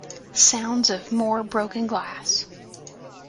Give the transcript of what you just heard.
Sounds of more broken glass.